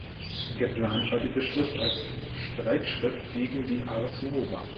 Geplant war diese Schrift als Streitschrift gegen die Ars Nova.